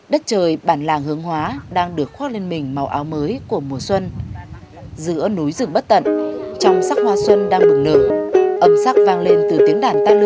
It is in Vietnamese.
để dâng hương tri ân công đức tổ tiên